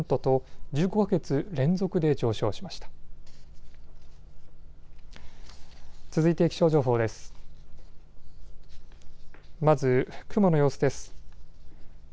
まず雲の様子です。